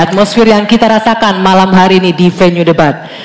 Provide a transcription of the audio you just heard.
atmosfer yang kita rasakan malam hari ini di venue debat